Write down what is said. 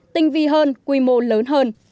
tinh vi hơn quy mô lớn hơn